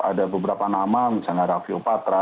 ada beberapa nama misalnya raffi opatra